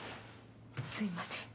すいません。